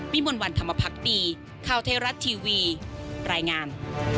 วิมวลวันธรรมภักดีข่าวเทราทีวีรายงาน